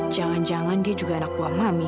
jangan jangan dia juga anak buah hami